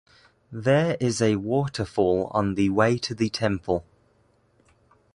There is a water-fall on the way to the temple.